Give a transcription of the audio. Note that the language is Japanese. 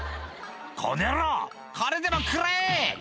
「この野郎これでも食らえ！」